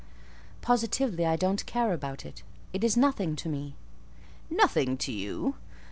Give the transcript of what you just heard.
"Positively, I don't care about it: it is nothing to me." "Nothing to you?